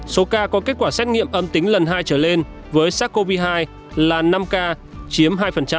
số ca có kết quả xét nghiệm âm tính lần hai trở lên với sars cov hai là năm ca chiếm hai